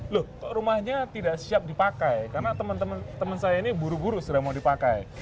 loh rumahnya tidak siap dipakai karena teman teman saya ini buru buru sudah mau dipakai